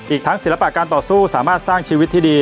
อีกทั้งศิลปะการต่อสู้สามารถสร้างชีวิตที่ดี